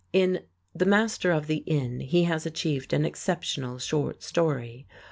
In "The Master of the Inn" he has achieved an exceptional short story.